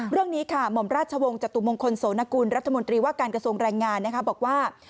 เรื่องนี้ค่ะหม่อมราชวงศ์จตุมงคลโสนกุลรัฐมนตรีว่าการกระทรวงแรงงานบอกว่า